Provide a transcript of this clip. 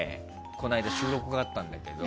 この間、収録があったんだけど。